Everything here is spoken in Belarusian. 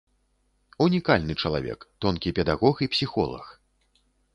Унікальны чалавек, тонкі педагог і псіхолаг!